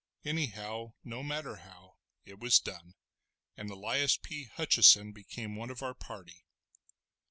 Anyhow, no matter how, it was done; and Elias P. Hutcheson became one of our party.